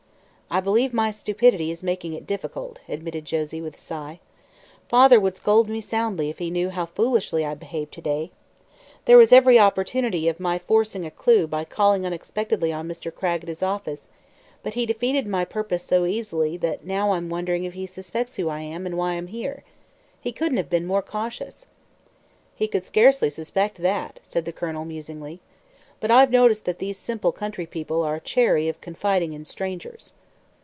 "I believe my stupidity is making it difficult," admitted Josie, with a sigh. "Father would scold me soundly if he knew how foolishly I behaved to day. There was every opportunity of my forcing a clew by calling unexpectedly on Mr. Cragg at his office, but he defeated my purpose so easily that now I'm wondering if he suspects who I am, and why I'm here. He couldn't have been more cautious." "He could scarcely suspect that," said the Colonel, musingly. "But I've noticed that these simple country people are chary of confiding in strangers."